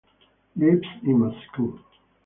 Lives in Moscow.